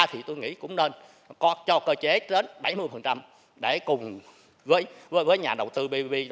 thì tôi nghĩ cũng nên cho cơ chế đến bảy mươi để cùng với nhà đầu tư bbb